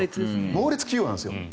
猛烈企業なんです。